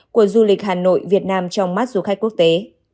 của du lịch hà nội việt nam trong mắt du khách quốc tế